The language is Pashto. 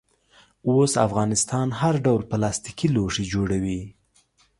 اوس افغانستان هر ډول پلاستیکي لوښي جوړوي.